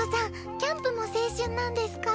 キャンプも青春なんですか？